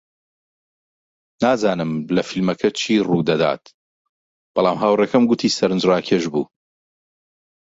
نازانم لە فیلمەکە چی ڕوودەدات، بەڵام هاوڕێکەم گوتی سەرنجڕاکێش بوو.